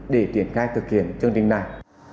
để triển khai thực hiện chương trình này